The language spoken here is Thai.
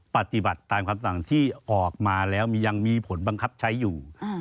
ปฏิบัติตามคำสั่งที่ออกมาแล้วยังมีผลบังคับใช้อยู่